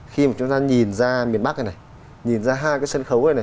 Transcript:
khi mà chúng ta nhìn ra